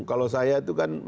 kalau saya itu kan